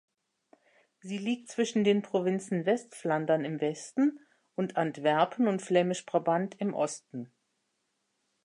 Sie liegt zwischen den Provinzen Westflandern im Westen und Antwerpen und Flämisch-Brabant im Osten.